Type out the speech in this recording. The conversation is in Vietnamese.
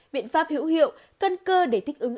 biện pháp hữu hiệu cân cơ để thích ứng